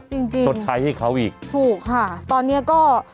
จริงจริงชดใช้ให้เขาอีกถูกค่ะตอนเนี้ยก็